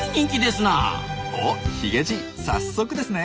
おヒゲじい早速ですね。